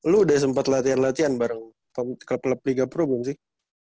lu udah sempat latihan latihan bareng klub klub liga pro belum sih